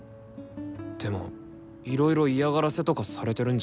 でもいろいろ嫌がらせとかされてるんじゃねの？